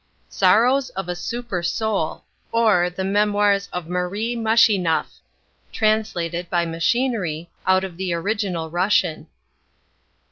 Sorrows of a Super Soul: or, The Memoirs of Marie Mushenough _(Translated, by Machinery, out of the Original Russian.)